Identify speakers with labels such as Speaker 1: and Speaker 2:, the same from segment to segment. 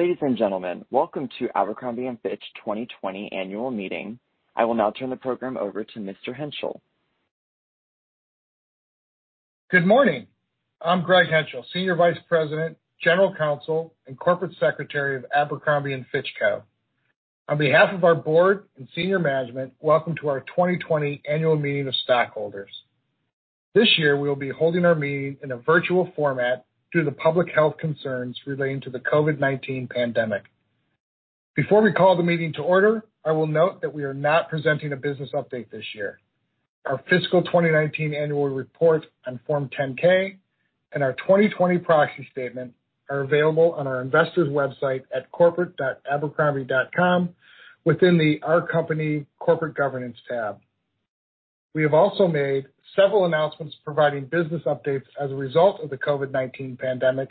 Speaker 1: Ladies and gentlemen, welcome to Abercrombie & Fitch 2020 annual meeting. I will now turn the program over to Mr. Henchel.
Speaker 2: Good morning. I'm Greg Henchel, Senior Vice President, General Counsel, and Corporate Secretary of Abercrombie & Fitch Co. On behalf of our board and senior management, welcome to our 2020 annual meeting of stockholders. This year, we will be holding our meeting in a virtual format due to public health concerns relating to the COVID-19 pandemic. Before we call the meeting to order, I will note that we are not presenting a business update this year. Our fiscal 2019 annual report on Form 10-K and our 2020 proxy statement are available on our investors website at corporate.abercrombie.com within the Our Company Corporate Governance tab. We have also made several announcements providing business updates as a result of the COVID-19 pandemic,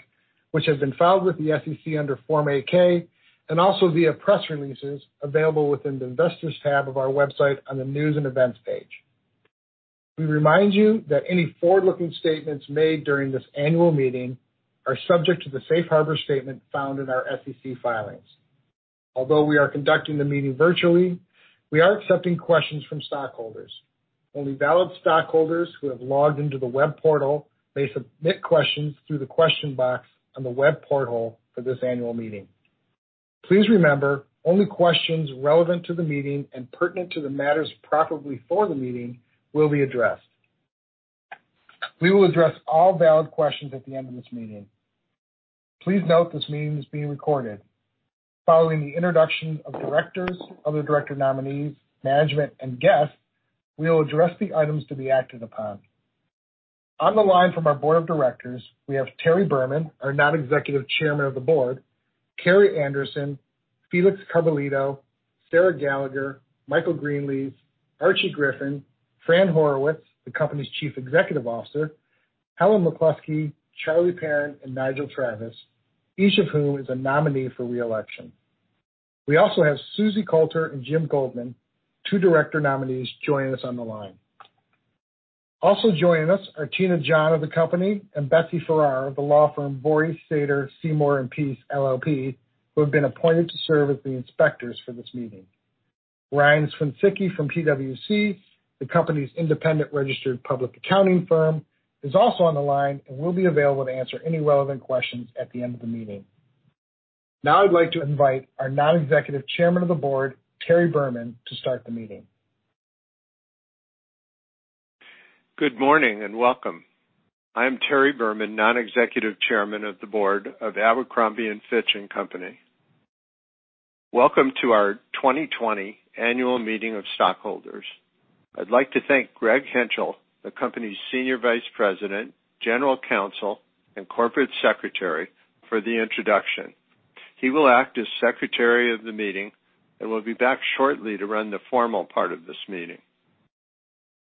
Speaker 2: which have been filed with the SEC under Form 8-K and also via press releases available within the Investors tab of our website on the News & Events page. We remind you that any forward-looking statements made during this annual meeting are subject to the safe harbor statement found in our SEC filings. Although we are conducting the meeting virtually, we are accepting questions from stockholders. Only valid stockholders who have logged into the web portal may submit questions through the question box on the web portal for this annual meeting. Please remember, only questions relevant to the meeting and pertinent to the matters properly before the meeting will be addressed. We will address all valid questions at the end of this meeting. Please note this meeting is being recorded. Following the introduction of directors, other director nominees, management, and guests, we will address the items to be acted upon. On the line from our Board of Directors, we have Terry Burman, our Non-Executive Chairman of the Board, Kerrii Anderson, Felix Carbullido, Sarah Gallagher, Michael Greenlees, Archie Griffin, Fran Horowitz, the company's Chief Executive Officer, Helen McCluskey, Charlie Perrin, and Nigel Travis, each of whom is a nominee for re-election. We also have Susie Coulter and Jim Goldman, two director nominees, joining us on the line. Also joining us are Tina John of the company and Betsy Farrar of the law firm, Benesch, Friedlander, Coplan & Aronoff LLP, who have been appointed to serve as the inspectors for this meeting. Ryan Swincicki from PwC, the company's independent registered public accounting firm, is also on the line and will be available to answer any relevant questions at the end of the meeting. Now I'd like to invite our Non-Executive Chairman of the Board, Terry Burman, to start the meeting.
Speaker 3: Good morning, and welcome. I'm Terry Burman, Non-Executive Chairman of the Board of Abercrombie & Fitch Co. Welcome to our 2020 annual meeting of stockholders. I'd like to thank Greg Henchel, the company's Senior Vice President, General Counsel, and Corporate Secretary, for the introduction. He will act as secretary of the meeting and will be back shortly to run the formal part of this meeting.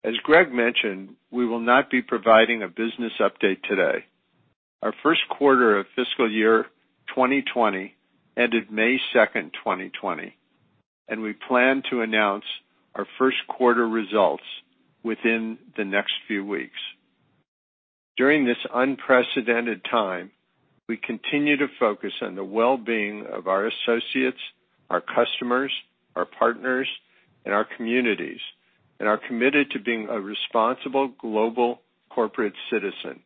Speaker 3: As Greg mentioned, we will not be providing a business update today. Our first quarter of fiscal year 2020 ended May 2nd, 2020, and we plan to announce our first quarter results within the next few weeks. During this unprecedented time, we continue to focus on the well-being of our associates, our customers, our partners, and our communities, and are committed to being a responsible global corporate citizen.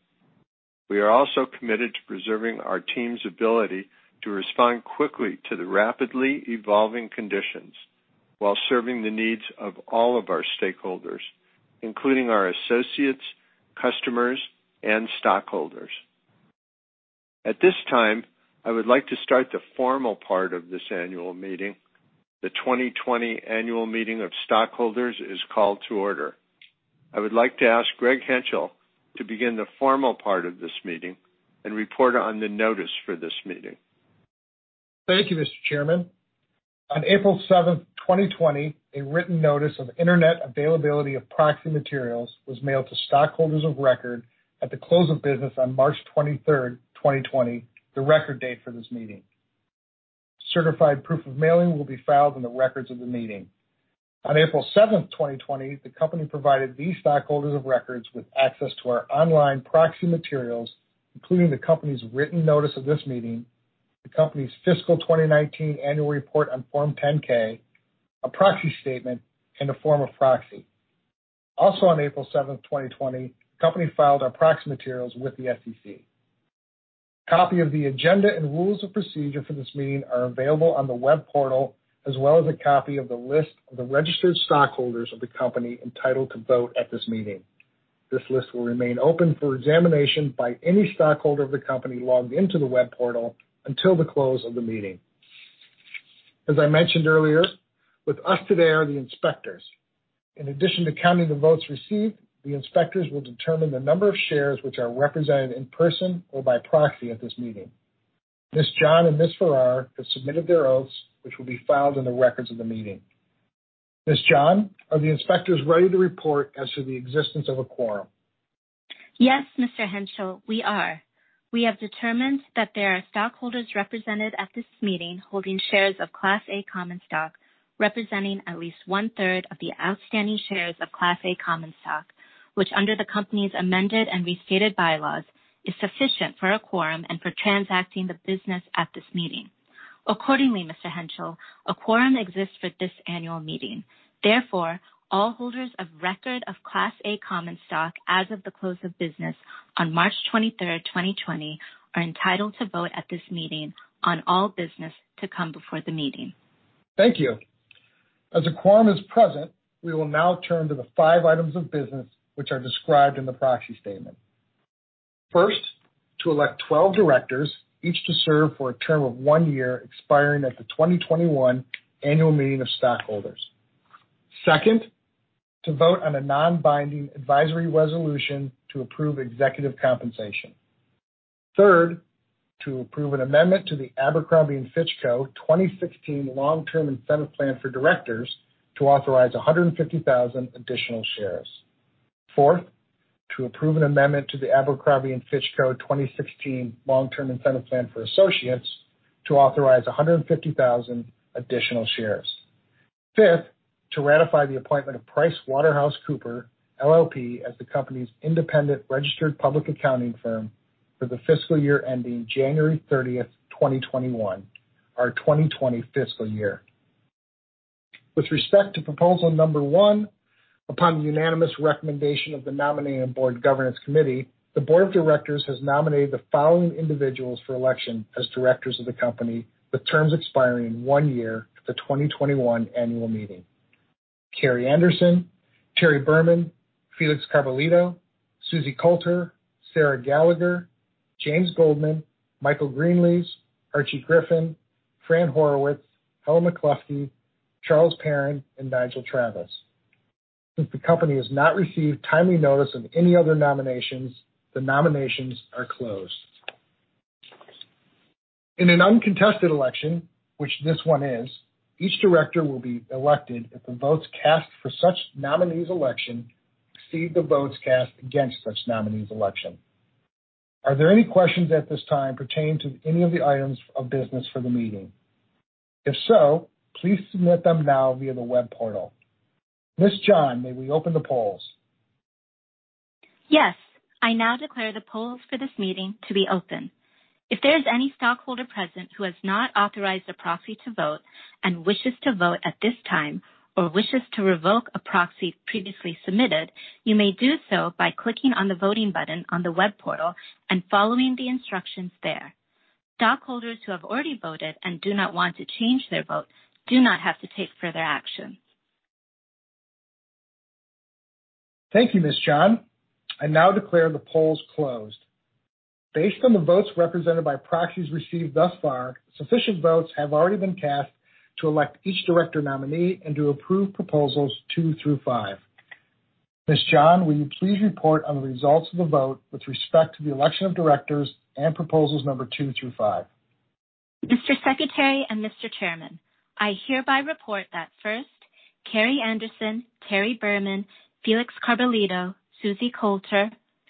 Speaker 3: We are also committed to preserving our team's ability to respond quickly to the rapidly evolving conditions while serving the needs of all of our stakeholders, including our associates, customers, and stockholders. At this time, I would like to start the formal part of this annual meeting. The 2020 annual meeting of stockholders is called to order. I would like to ask Greg Henchel to begin the formal part of this meeting and report on the notice for this meeting.
Speaker 2: Thank you, Mr. Chairman. On April 7th, 2020, a written notice of Internet availability of proxy materials was mailed to stockholders of record at the close of business on March 23rd, 2020, the record date for this meeting. Certified proof of mailing will be filed in the records of the meeting. On April 7th, 2020, the company provided these stockholders of record with access to our online proxy materials, including the company's written notice of this meeting, the company's fiscal 2019 annual report on Form 10-K, a proxy statement, and a form of proxy. On April 7th, 2020, the company filed our proxy materials with the SEC. Copy of the agenda and rules of procedure for this meeting are available on the web portal, as well as a copy of the list of the registered stockholders of the company entitled to vote at this meeting. This list will remain open for examination by any stockholder of the company logged into the web portal until the close of the meeting. As I mentioned earlier, with us today are the inspectors. In addition to counting the votes received, the inspectors will determine the number of shares which are represented in person or by proxy at this meeting. Ms. John and Ms. Farrar have submitted their oaths, which will be filed in the records of the meeting. Ms. John, are the inspectors ready to report as to the existence of a quorum?
Speaker 4: Yes, Mr. Henchel, we are. We have determined that there are stockholders represented at this meeting holding shares of Class A Common Stock, representing at least 1/3 of the outstanding shares of Class A Common Stock, which, under the company's amended and restated bylaws, is sufficient for a quorum and for transacting the business at this meeting. Mr. Henchel, a quorum exists for this annual meeting. All holders of record of Class A Common Stock as of the close of business on March 23rd, 2020, are entitled to vote at this meeting on all business to come before the meeting.
Speaker 2: Thank you. As a quorum is present, we will now turn to the five items of business which are described in the proxy statement. First, to elect 12 directors, each to serve for a term of one year, expiring at the 2021 annual meeting of stockholders. Second, to vote on a non-binding advisory resolution to approve executive compensation. Third, to approve an amendment to the Abercrombie & Fitch Co. 2016 Long-Term Incentive Plan for Directors to authorize 150,000 additional shares. Fourth, to approve an amendment to the Abercrombie & Fitch Co. 2016 Long-Term Incentive Plan for Associates to authorize 150,000 additional shares. Fifth, to ratify the appointment of PricewaterhouseCoopers LLP as the company's independent registered public accounting firm for the fiscal year ending January 30, 2021, our 2020 fiscal year. With respect to proposal number one, upon the unanimous recommendation of the nominating board governance committee, the board of directors has nominated the following individuals for election as directors of the company, with terms expiring in one year at the 2021 annual meeting. Kerrii Anderson, Terry Burman, Felix Carbullido, Susie Coulter, Sarah Gallagher, James Goldman, Michael Greenlees, Archie Griffin, Fran Horowitz, Helen McCluskey, Charles Perrin, and Nigel Travis. Since the company has not received timely notice of any other nominations, the nominations are closed. In an uncontested election, which this one is, each director will be elected if the votes cast for such nominee's election exceed the votes cast against such nominee's election. Are there any questions at this time pertaining to any of the items of business for the meeting? If so, please submit them now via the web portal. Ms. John, may we open the polls?
Speaker 4: Yes. I now declare the polls for this meeting to be open. If there is any stockholder present who has not authorized a proxy to vote and wishes to vote at this time, or wishes to revoke a proxy previously submitted, you may do so by clicking on the voting button on the web portal and following the instructions there. Stockholders who have already voted and do not want to change their vote do not have to take further action.
Speaker 2: Thank you, Ms. John. I now declare the polls closed. Based on the votes represented by proxies received thus far, sufficient votes have already been cast to elect each director nominee and to approve proposals 2 through 5. Ms. John, will you please report on the results of the vote with respect to the election of directors and proposals number 2 through 5.
Speaker 4: Mr. Secretary and Mr. Chairman, I hereby report that first, Kerrii Anderson, Terry Burman, Felix Carbullido, Susie Coulter,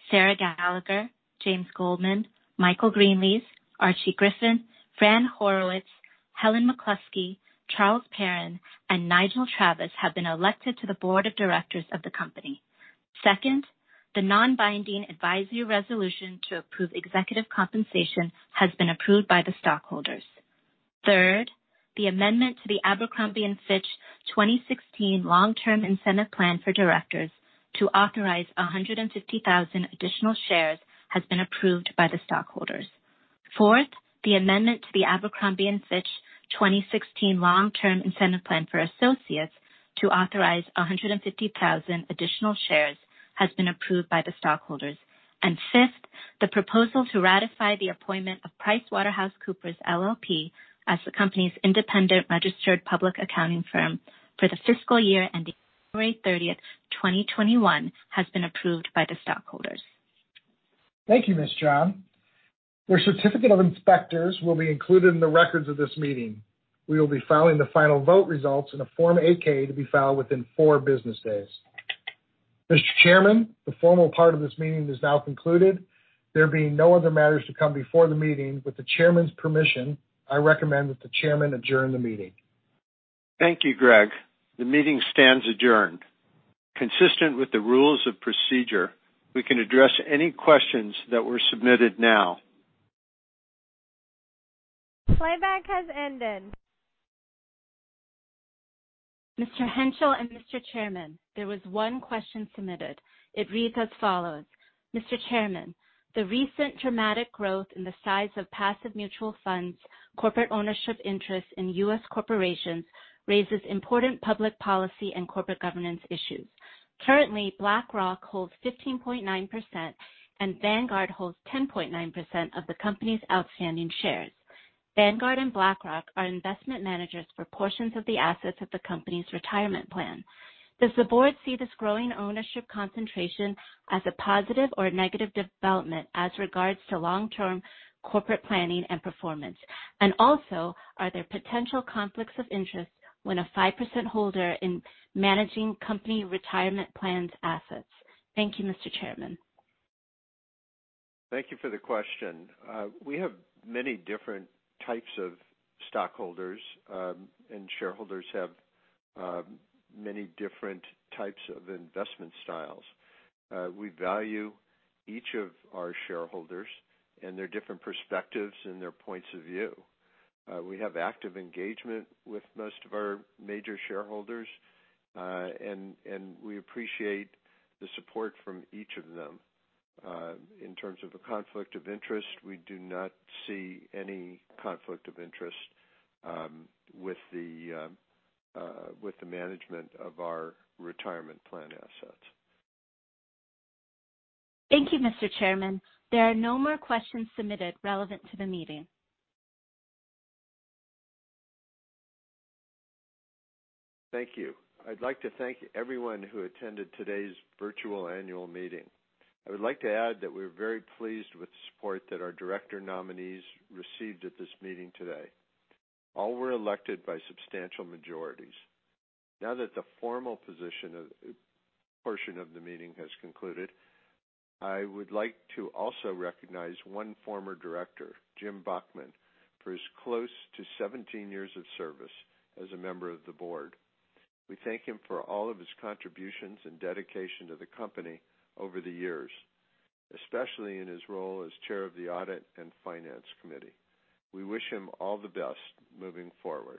Speaker 4: Sarah Gallagher, James Goldman, Michael Greenlees, Archie Griffin, Fran Horowitz, Helen McCluskey, Charles Perrin, and Nigel Travis have been elected to the board of directors of the company. Second, the non-binding advisory resolution to approve executive compensation has been approved by the stockholders. Third, the amendment to the Abercrombie & Fitch Co. 2016 Long-Term Incentive Plan for Directors to authorize 150,000 additional shares has been approved by the stockholders. Fourth, the amendment to the Abercrombie & Fitch Co. 2016 Long-Term Incentive Plan for Associates to authorize 150,000 additional shares has been approved by the stockholders. Fifth, the proposal to ratify the appointment of PricewaterhouseCoopers LLP as the company's independent registered public accounting firm for the fiscal year ending January 30, 2021, has been approved by the stockholders.
Speaker 2: Thank you, Ms. John. The certificate of inspectors will be included in the records of this meeting. We will be filing the final vote results in a Form 8-K to be filed within four business days. Mr. Chairman, the formal part of this meeting is now concluded. There being no other matters to come before the meeting, with the chairman's permission, I recommend that the chairman adjourn the meeting.
Speaker 3: Thank you, Greg. The meeting stands adjourned. Consistent with the rules of procedure, we can address any questions that were submitted now. Playback has ended.
Speaker 4: Mr. Henchel and Mr. Chairman, there was one question submitted. It reads as follows: "Mr. Chairman, the recent dramatic growth in the size of passive mutual funds, corporate ownership interest in U.S. corporations, raises important public policy and corporate governance issues. Currently, BlackRock holds 15.9% and Vanguard holds 10.9% of the company's outstanding shares. Vanguard and BlackRock are investment managers for portions of the assets of the company's retirement plan. Does the board see this growing ownership concentration as a positive or a negative development as regards to long-term corporate planning and performance? Are there potential conflicts of interest when a 5% holder in managing company retirement plans assets?" Thank you, Mr. Chairman.
Speaker 3: Thank you for the question. We have many different types of stockholders, and shareholders have many different types of investment styles. We value each of our shareholders and their different perspectives and their points of view. We have active engagement with most of our major shareholders. We appreciate the support from each of them. In terms of a conflict of interest, we do not see any conflict of interest with the management of our retirement plan assets.
Speaker 4: Thank you, Mr. Chairman. There are no more questions submitted relevant to the meeting.
Speaker 3: Thank you. I'd like to thank everyone who attended today's virtual annual meeting. I would like to add that we're very pleased with the support that our director nominees received at this meeting today. All were elected by substantial majorities. Now that the formal portion of the meeting has concluded, I would like to also recognize one former director, Jim Bachmann, for his close to 17 years of service as a member of the board. We thank him for all of his contributions and dedication to the company over the years, especially in his role as chair of the Audit and Finance Committee. We wish him all the best moving forward.